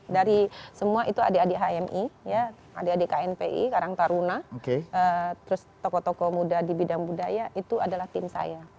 dari semua itu adik adik hmi adik adik knpi karang taruna terus tokoh tokoh muda di bidang budaya itu adalah tim saya